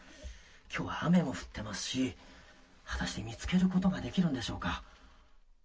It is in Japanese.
きょうは雨も降ってますし、果たして、見つけることができるんでしょうか？